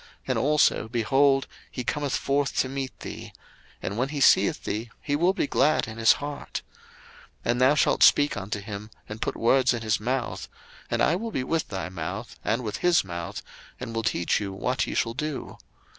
And also, behold, he cometh forth to meet thee: and when he seeth thee, he will be glad in his heart. 02:004:015 And thou shalt speak unto him, and put words in his mouth: and I will be with thy mouth, and with his mouth, and will teach you what ye shall do.